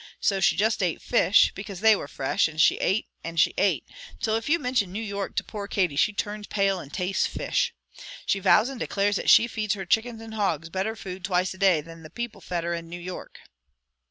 So she just ate fish, because they were fresh, and she ate, and she ate, till if you mintion New York to poor Katie she turns pale, and tastes fish. She vows and declares that she feeds her chickens and hogs better food twice a day than people fed her in New York."